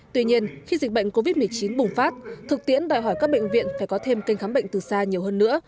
tuy nhiên khi dịch bệnh covid một mươi chín bùng phát thực tiễn đòi hỏi các bệnh viện phải có thêm kênh khám bệnh từ xa nhiều hơn nữa